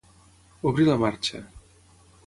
Obrir la marxa.